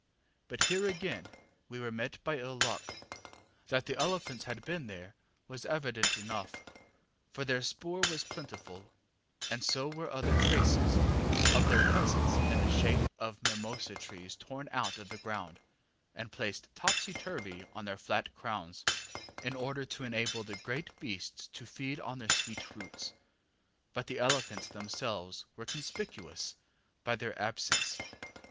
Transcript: But here again we were met by ill luck. That the elephants had been there was evident enough, for their spoor was plentiful, and so were other traces of their presence in the shape of mimosa trees torn out of the ground, and placed topsy turvy on their flat crowns, in order to enable the great beasts to feed on their sweet roots; but the elephants themselves were conspicuous by their absence.